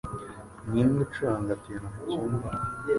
Ninde ucuranga piyano mucyumba?